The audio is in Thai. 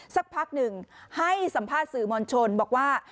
สักพักหนึ่งให้สัมภาษณ์สื่อมวลชนบอกว่า